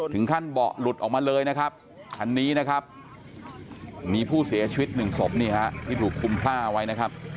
ถึงขั้นเบาะหลุดออกมาเลยอันนี้มีผู้เสียชีวิต๑ศพที่ถูกคุมผ้า